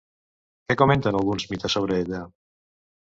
Què comenten alguns mites sobre ella?